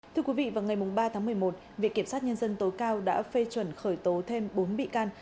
thưa quý vị vào ngày ba tháng một mươi một viện kiểm sát nhân dân tối cao đã phê chuẩn khởi tố thêm bốn bị can